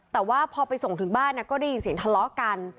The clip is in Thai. แต่ว่าพอไปส่งถึงบ้านก็ได้ยินเสียงทะเลาะกัน